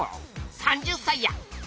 ３０才や！